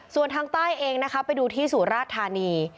ส่วนทางใต้เองไปดูที่ศูนย์ราชธานี